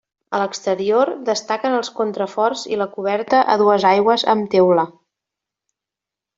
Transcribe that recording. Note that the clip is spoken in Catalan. A l'exterior destaquen els contraforts i la coberta a dues aigües amb teula.